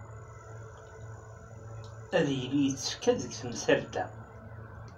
Ad yili yettekka deg temsalt-a.